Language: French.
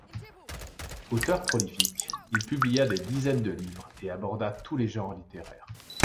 Auteur prolifique, il publia des dizaines de livres et aborda tous les genres littéraires.